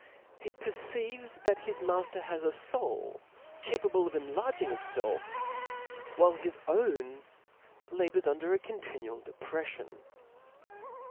He perceives that his mafter has a foul, capable of enlarging itfelf ; while, his own ' labours under a continual depreflion.